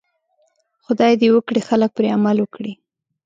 خدای دې وکړي خلک پرې عمل وکړي.